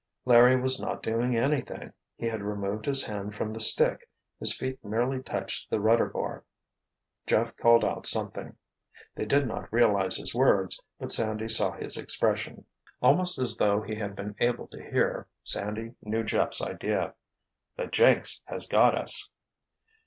Larry was not doing anything. He had removed his hand from the stick, his feet merely touched the rudder bar. Jeff called out something. They did not realize his words, but Sandy saw his expression. Almost as though he had been able to hear, Sandy knew Jeff's idea. "The jinx has got us."